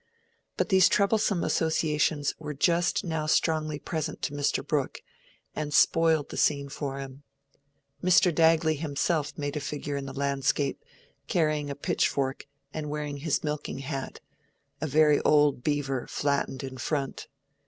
But these troublesome associations were just now strongly present to Mr. Brooke, and spoiled the scene for him. Mr. Dagley himself made a figure in the landscape, carrying a pitchfork and wearing his milking hat—a very old beaver flattened in front.